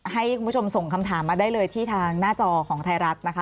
ให้คุณผู้ชมส่งคำถามมาได้เลยที่ทางหน้าจอของไทยรัฐนะคะ